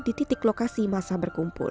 di titik lokasi masa berkumpul